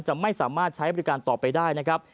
ไม่สามารถใช้บริการต่อไปได้นะครับ